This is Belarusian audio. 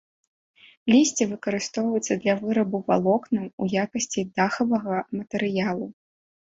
Лісце выкарыстоўваецца для вырабу валокнаў, у якасці дахавага матэрыялу.